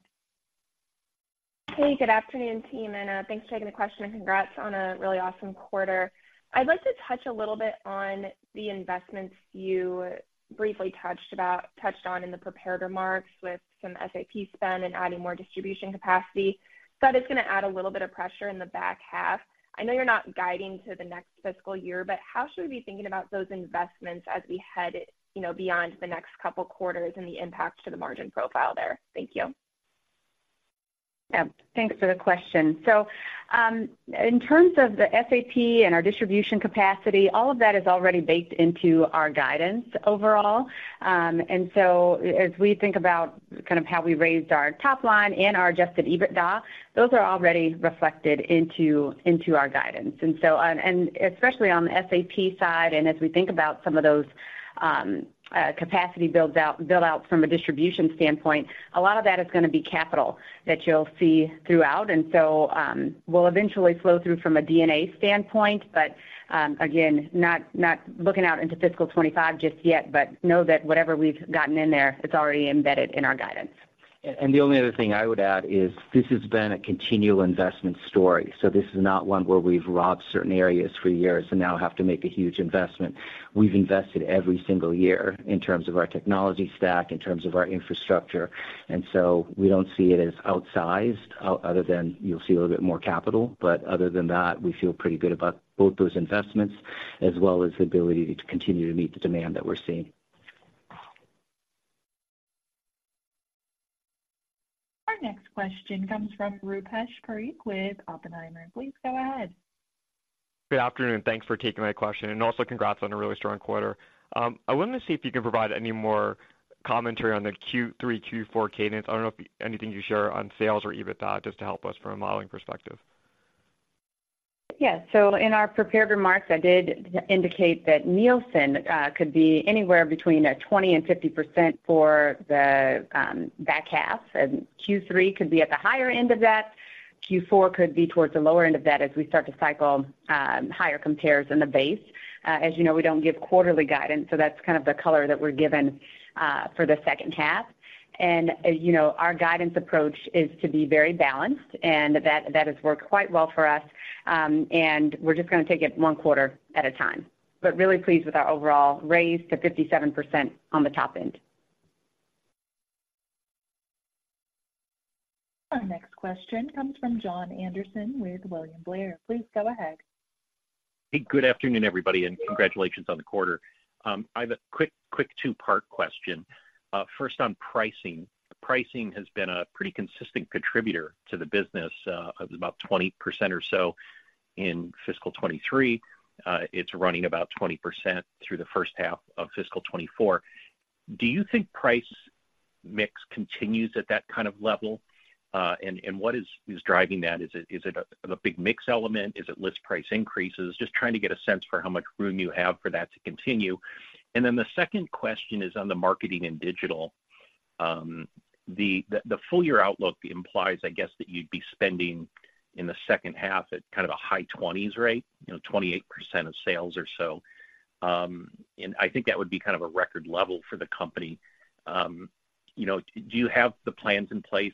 Hey, good afternoon, team, and thanks for taking the question, and congrats on a really awesome quarter. I'd like to touch a little bit on the investments you-... briefly touched on in the prepared remarks with some SAP spend and adding more distribution capacity, but it's gonna add a little bit of pressure in the back half. I know you're not guiding to the next fiscal year, but how should we be thinking about those investments as we head, you know, beyond the next couple quarters and the impact to the margin profile there? Thank you. Yeah, thanks for the question. So, in terms of the SAP and our distribution capacity, all of that is already baked into our guidance overall. And so as we think about kind of how we raised our top line and our Adjusted EBITDA, those are already reflected into our guidance. And so on, and especially on the SAP side, and as we think about some of those capacity build out from a distribution standpoint, a lot of that is gonna be capital that you'll see throughout. And so, we'll eventually flow through from a D&A standpoint, but, again, not looking out into fiscal 2025 just yet, but know that whatever we've gotten in there, it's already embedded in our guidance. The only other thing I would add is this has been a continual investment story, so this is not one where we've robbed certain areas for years and now have to make a huge investment. We've invested every single year in terms of our technology stack, in terms of our infrastructure, and so we don't see it as outsized other than you'll see a little bit more capital. But other than that, we feel pretty good about both those investments, as well as the ability to continue to meet the demand that we're seeing. Our next question comes from Rupesh Parikh with Oppenheimer. Please go ahead. Good afternoon, thanks for taking my question, and also congrats on a really strong quarter. I wanted to see if you can provide any more commentary on the Q3, Q4 cadence. I don't know if anything you share on sales or EBITDA, just to help us from a modeling perspective. Yeah. So in our prepared remarks, I did indicate that Nielsen could be anywhere between 20%-50% for the back half, and Q3 could be at the higher end of that. Q4 could be towards the lower end of that as we start to cycle higher compares in the base. As you know, we don't give quarterly guidance, so that's kind of the color that we're given for the second half. And, you know, our guidance approach is to be very balanced, and that, that has worked quite well for us. And we're just gonna take it one quarter at a time, but really pleased with our overall raise to 57% on the top end. Our next question comes from Jon Andersen with William Blair. Please go ahead. Hey, good afternoon, everybody, and congratulations on the quarter. I have a quick two-part question. First, on pricing. Pricing has been a pretty consistent contributor to the business, of about 20% or so in fiscal 2023. It's running about 20% through the first half of fiscal 2024. Do you think price mix continues at that kind of level? And what is driving that? Is it a big mix element? Is it list price increases? Just trying to get a sense for how much room you have for that to continue. And then the second question is on the marketing and digital. The full year outlook implies, I guess, that you'd be spending in the second half at kind of a high twenties rate, you know, 28% of sales or so. I think that would be kind of a record level for the company. You know, do you have the plans in place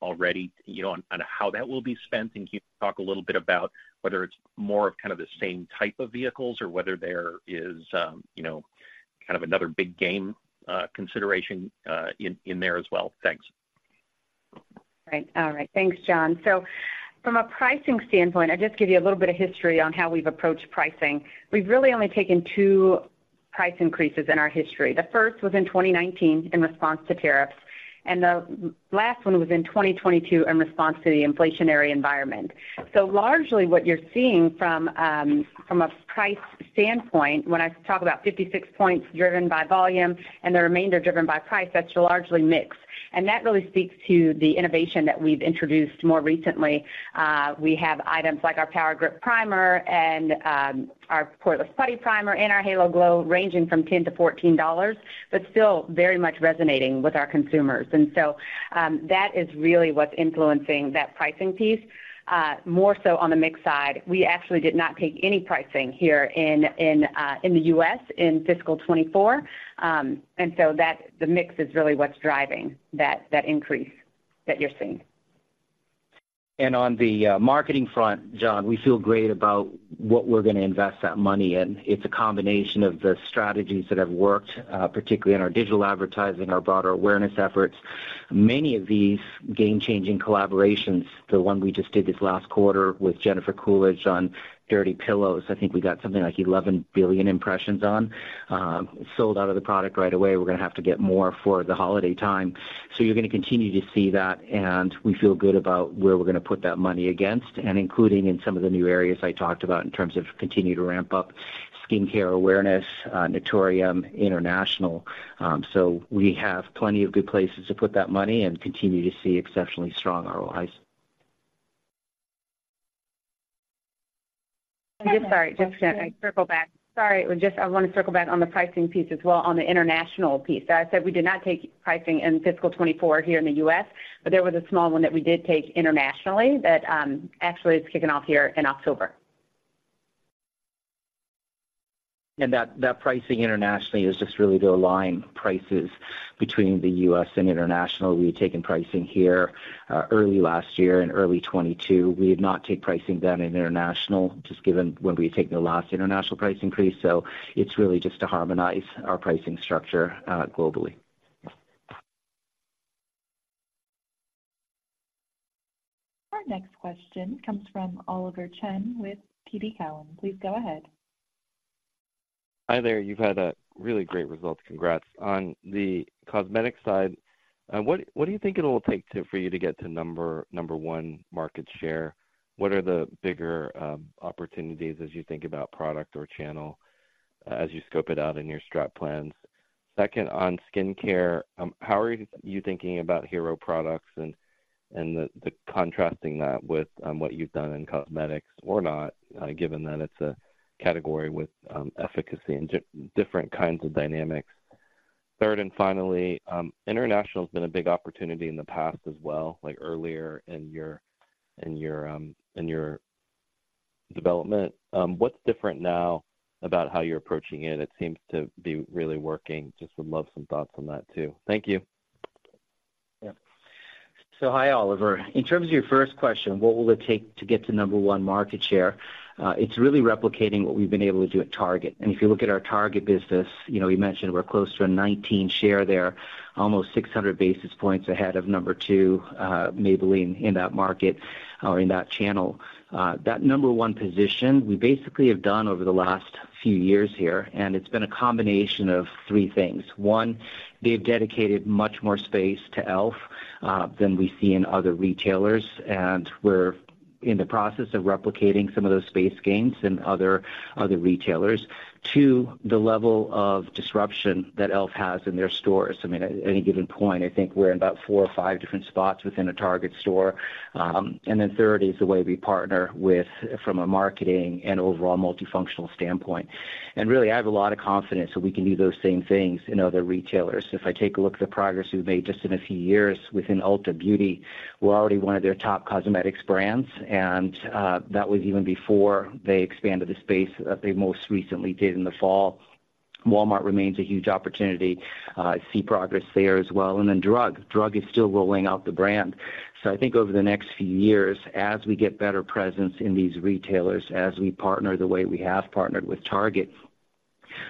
already, you know, on how that will be spent? Can you talk a little bit about whether it's more of kind of the same type of vehicles, or whether there is, you know, kind of another big game consideration in there as well? Thanks. Right. All right. Thanks, Jon. So from a pricing standpoint, I'll just give you a little bit of history on how we've approached pricing. We've really only taken two price increases in our history. The first was in 2019 in response to tariffs, and the last one was in 2022 in response to the inflationary environment. So largely what you're seeing from, from a price standpoint, when I talk about 56 points driven by volume and the remainder driven by price, that's largely mix. And that really speaks to the innovation that we've introduced more recently. We have items like our Power Grip Primer and, our Poreless Putty Primer, and our Halo Glow, ranging from $10-$14, but still very much resonating with our consumers. And so, that is really what's influencing that pricing piece. More so on the mix side, we actually did not take any pricing here in the U.S. in fiscal 2024. And so that the mix is really what's driving that increase that you're seeing. On the marketing front, Jon, we feel great about what we're gonna invest that money in. It's a combination of the strategies that have worked, particularly in our digital advertising, our broader awareness efforts. Many of these game-changing collaborations, the one we just did this last quarter with Jennifer Coolidge on Dirty Pillows, I think we got something like 11 billion impressions on, sold out of the product right away. We're gonna have to get more for the holiday time. So you're gonna continue to see that, and we feel good about where we're gonna put that money against, and including in some of the new areas I talked about in terms of continuing to ramp up Skincare awareness, Naturium, International. So we have plenty of good places to put that money and continue to see exceptionally strong ROIs. I'm sorry, just gonna circle back. Sorry, just I want to circle back on the pricing piece as well, on the International piece. I said we did not take pricing in fiscal 2024 here in the U.S., but there was a small one that we did take internationally that actually is kicking off here in October. That pricing internationally is just really to align prices between the U.S. and International. We've taken pricing here early last year, in early 2022. We did not take pricing down in International, just given when we had taken the last International price increase, so it's really just to harmonize our pricing structure globally. Our next question comes from Oliver Chen with TD Cowen. Please go ahead. Hi there. You've had a really great result. Congrats. On the cosmetic side, what do you think it'll take to—for you to get to number one market share? What are the bigger opportunities as you think about product or channel, as you scope it out in your strat plans? Second, on Skincare, how are you thinking about hero products and the contrasting that with what you've done in cosmetics or not, given that it's a category with efficacy and different kinds of dynamics? Third, and finally, International has been a big opportunity in the past as well, like earlier in your development. What's different now about how you're approaching it? It seems to be really working. Just would love some thoughts on that, too. Thank you. Yeah. So hi, Oliver. In terms of your first question, what will it take to get to number one market share? It's really replicating what we've been able to do at Target. And if you look at our Target business, you know, we mentioned we're close to a 19% share there, almost 600 basis points ahead of number two, Maybelline, in that market or in that channel. That number one position, we basically have done over the last few years here, and it's been a combination of three things. One, they've dedicated much more space to e.l.f., than we see in other retailers, and we're in the process of replicating some of those space gains in other retailers. Two, the level of disruption that e.l.f. has in their stores. I mean, at any given point, I think we're in about four or five different spots within a Target store. And then third is the way we partner with, from a marketing and overall multifunctional standpoint. And really, I have a lot of confidence that we can do those same things in other retailers. If I take a look at the progress we've made just in a few years within Ulta Beauty, we're already one of their top cosmetics brands, and that was even before they expanded the space that they most recently did in the fall. Walmart remains a huge opportunity. I see progress there as well. And then drug. Drug is still rolling out the brand. So I think over the next few years, as we get better presence in these retailers, as we partner the way we have partnered with Target,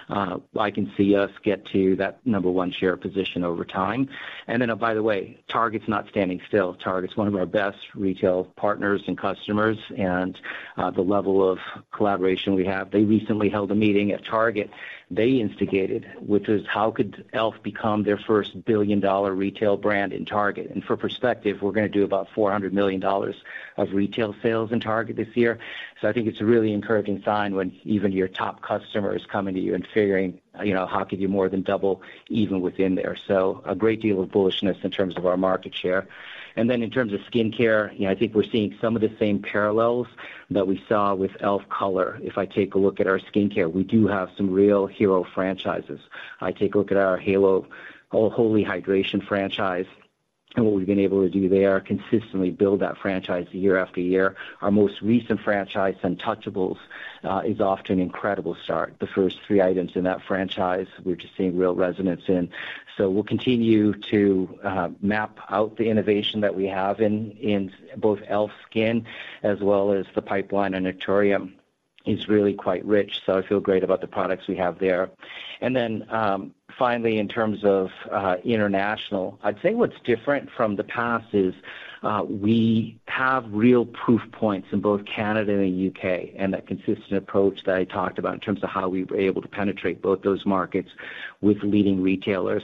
I can see us get to that number one share position over time. And then, by the way, Target's not standing still. Target's one of our best retail partners and customers, and the level of collaboration we have. They recently held a meeting at Target they instigated, which was, how could e.l.f. become their first billion-dollar retail brand in Target? And for perspective, we're going to do about $400 million of retail sales in Target this year. So I think it's a really encouraging sign when even your top customer is coming to you and figuring, you know, how can you more than double even within there. So a great deal of bullishness in terms of our market share. Then in terms of Skincare, you know, I think we're seeing some of the same parallels that we saw with e.l.f. color. If I take a look at our Skincare, we do have some real hero franchises. I take a look at our Halo, Holy Hydration franchise and what we've been able to do there, consistently build that franchise year after year. Our most recent franchise, Suntouchable, is off to an incredible start. The first three items in that franchise, we're just seeing real resonance in. So we'll continue to map out the innovation that we have in both e.l.f. SKIN as well as the pipeline, and Naturium is really quite rich, so I feel great about the products we have there. And then, finally, in terms of International, I'd say what's different from the past is we have real proof points in both Canada and the U.K., and that consistent approach that I talked about in terms of how we were able to penetrate both those markets with leading retailers.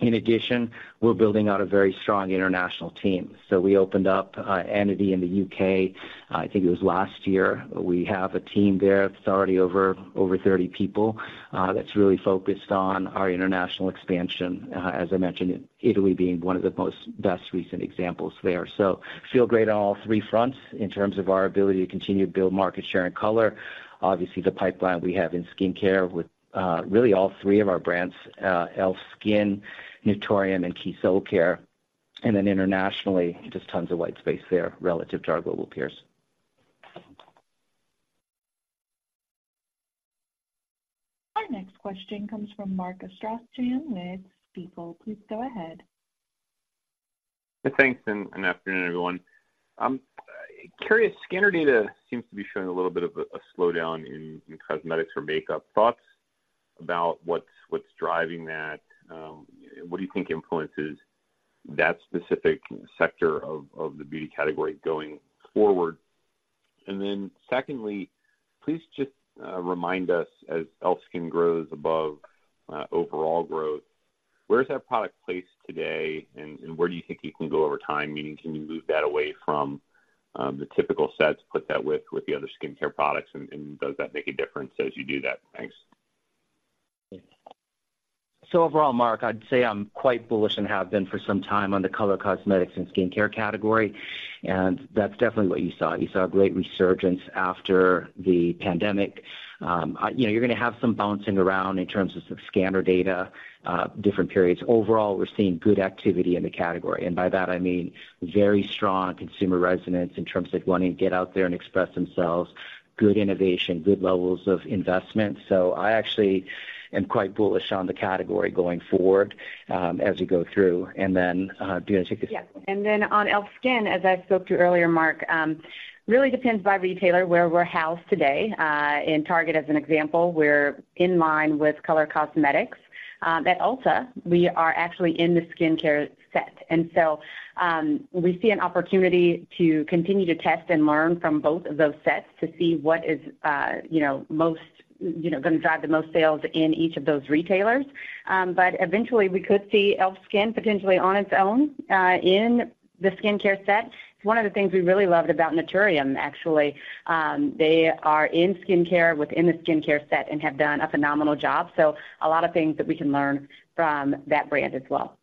In addition, we're building out a very strong International team. So we opened up entity in the U.K., I think it was last year. We have a team there that's already over 30 people, that's really focused on our International expansion, as I mentioned, Italy being one of the most best recent examples there. So feel great on all three fronts in terms of our ability to continue to build market share and color. Obviously, the pipeline we have in Skincare with really all three of our brands. e.l.f. SKIN, Naturium, and Keys Soulcare, and then Internationally, just tons of white space there relative to our global peers. Our next question comes from Mark Astrachan with Stifel. Please go ahead. Thanks, good afternoon, everyone. I'm curious, scanner data seems to be showing a little bit of a slowdown in cosmetics or makeup. Thoughts about what's driving that? What do you think influences that specific sector of the beauty category going forward? And then secondly, please just remind us, as e.l.f. SKIN grows above overall growth, where is that product placed today, and where do you think it can go over time? Meaning, can you move that away from the typical sets, put that with the other Skincare products, and does that make a difference as you do that? Thanks. So overall, Mark, I'd say I'm quite bullish and have been for some time on the Color Cosmetics and Skincare category, and that's definitely what you saw. You saw a great resurgence after the pandemic. You know, you're going to have some bouncing around in terms of some scanner data, different periods. Overall, we're seeing good activity in the category, and by that I mean very strong consumer resonance in terms of wanting to get out there and express themselves, good innovation, good levels of investment. So I actually am quite bullish on the category going forward, as we go through. And then, do you want to take this? Yes. And then on e.l.f. SKIN, as I spoke to earlier, Mark, really depends by retailer where we're housed today. In Target, as an example, we're in line with Color Cosmetics. At Ulta, we are actually in the Skincare set, and so, we see an opportunity to continue to test and learn from both of those sets to see what is, you know, most, you know, going to drive the most sales in each of those retailers. But eventually, we could see e.l.f. SKIN potentially on its own, in the Skincare set. One of the things we really loved about Naturium, actually, they are in Skincare within the Skincare set and have done a phenomenal job, so a lot of things that we can learn from that brand as well.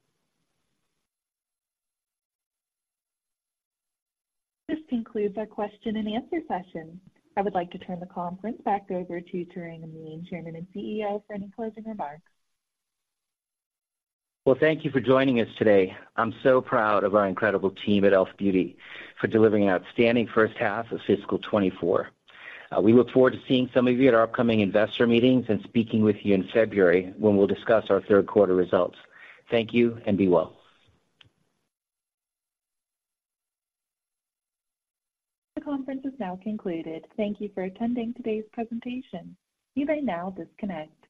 This concludes our question and answer session. I would like to turn the conference back over to Tarang Amin, Chairman and CEO, for any closing remarks. Well, thank you for joining us today. I'm so proud of our incredible team at e.l.f. Beauty for delivering an outstanding first half of fiscal 2024. We look forward to seeing some of you at our upcoming investor meetings and speaking with you in February, when we'll discuss our third quarter results. Thank you, and be well. The conference is now concluded. Thank you for attending today's presentation. You may now disconnect.